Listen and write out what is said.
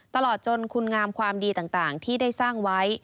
ตลอดจนคุณงามความดีต่างที่ได้สร้างไว้